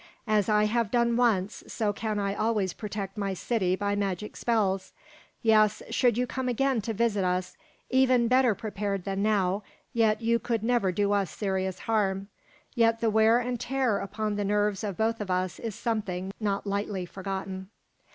As I have done once, so can I always protect my city by magic spells. Yes, should you come again to visit us, even better prepared than now, yet you could never do us serious harm. Yet the wear and tear upon the nerves of both of us is something not lightly forgotten."